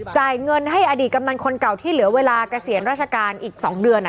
จ่ายเงินให้อดีตกำนันคนเก่าที่เหลือเวลาเกษียณราชการอีก๒เดือน